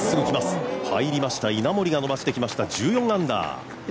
入りました、稲森が伸ばしてきました、１４アンダー。